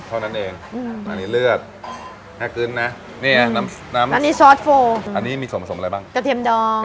เท่านั้นเองอันนี้เลือดน่ากินนะนี่น้ำน้ำอันนี้ซอสโฟอันนี้มีส่วนผสมอะไรบ้างกระเทียมดอง